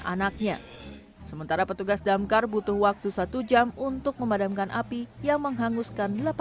anaknya sementara petugas damkar butuh waktu satu jam untuk memadamkan api yang menghanguskan